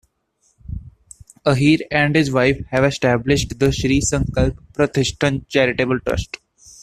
Ahir and his wife have established the Shree Sankalp Pratishthan charitable trust.